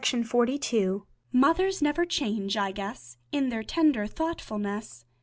UNCHANGEABLE MOTHER Mothers never change, I guess, In their tender thoughtfulness.